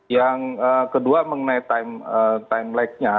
yang kedua mengenai time lag nya